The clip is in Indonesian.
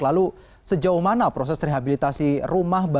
lalu sejauh mana proses rehabilitasi masih terus dilakukan di lombok